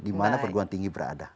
dimana perguruan tinggi berada